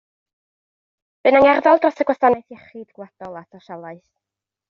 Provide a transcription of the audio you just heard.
Bu'n angerddol dros y Gwasanaeth Iechyd Gwladol a sosialaeth.